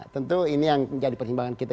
tentu ini yang menjadi pertimbangan kita